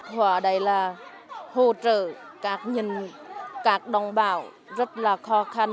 họ ở đây là hỗ trợ các nhân các đồng bào rất là khó khăn